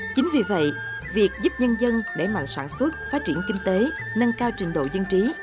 chính vì vậy việc giúp nhân dân đẩy mạnh sản xuất phát triển kinh tế nâng cao trình độ dân trí